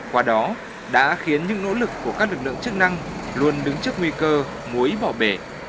qua đó đã khiến những nỗ lực của các lực lượng chức năng luôn đứng trước nguy cơ mối bỏ bể